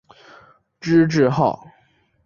知制诰。